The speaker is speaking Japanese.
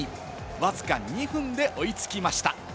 わずか２分で追いつきました。